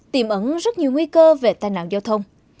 tiềm ẩn rất nhiều nguy cơ về tai nạn giao thông